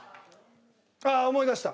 あっ思い出した。